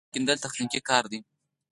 د څاه کیندل تخنیکي کار دی